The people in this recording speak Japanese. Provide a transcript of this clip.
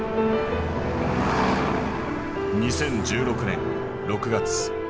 ２０１６年６月